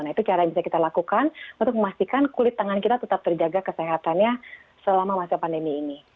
nah itu cara yang bisa kita lakukan untuk memastikan kulit tangan kita tetap terjaga kesehatannya selama masa pandemi ini